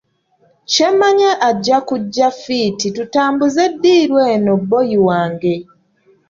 Kye mmanyi ajja kujja fiiti tutambuze ddiiru eno bboyi wange.